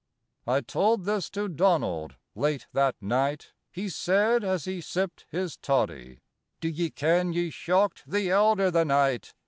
'" I told this to Donald late that night; He said, as he sipped his toddy, "Do ye ken ye shocked the elder the night?